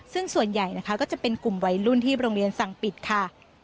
ซึ่งส่วนใหญ่นะคะก็จะเป็นกลุ่มวัยรุ่นที่โรงเรียนสั่งปิดค่ะ